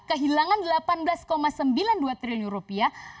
kehilangan delapan belas sembilan puluh dua triliun rupiah